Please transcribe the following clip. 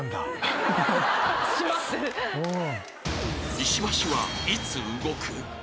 ［石橋はいつ動く？笑